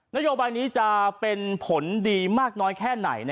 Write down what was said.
นโยบายนี้จะเป็นผลดีมากน้อยแค่ไหน